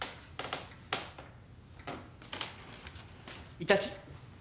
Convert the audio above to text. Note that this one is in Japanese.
イタチ。